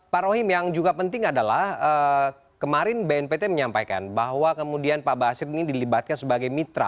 pak rohim yang juga penting adalah kemarin bnpt menyampaikan bahwa kemudian pak basir ini dilibatkan sebagai mitra